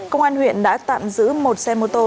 công an huyện đã tạm giữ một xe mô tô